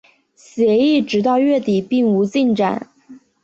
协议直到月底并无进展。